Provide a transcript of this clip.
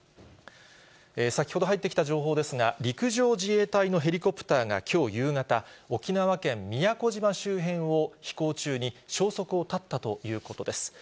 先ほど入ってきた情報ですが、陸上自衛隊のヘリコプターがきょう夕方、沖縄県宮古島周辺を飛行中に、消息を絶ったということです。